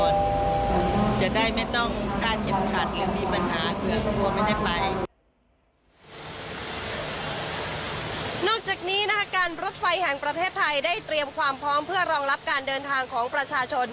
นอกจากนี้นะคะการรถไฟแห่งประเทศไทยได้เตรียมความพร้อมเพื่อรองรับการเดินทางของประชาชน